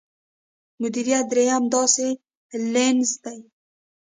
مديريت درېيم داسې لينز دی.